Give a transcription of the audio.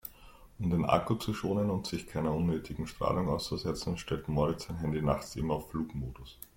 Um den Akku zu schonen und sich keiner unnötigen Strahlung auszusetzen, stellt Moritz sein Handy nachts immer auf Flugmodus.